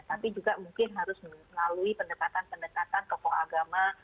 tapi juga mungkin harus melalui pendekatan pendekatan tokoh agama